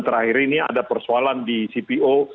terakhir ini ada persoalan di cpo